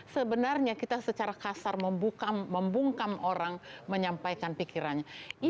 sebenarnya kita secara kasar membungkam orang menyampaikan pikirannya